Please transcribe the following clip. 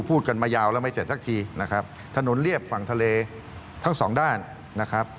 พูดกันมายาวแล้วไม่เสร็จสักทีนะครับถนนเรียบฝั่งทะเลทั้งสองด้านนะครับ